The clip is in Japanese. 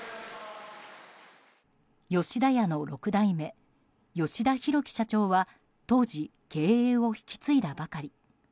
吉田屋の６代目、吉田広城社長は当時、経営を引き継いだばかり。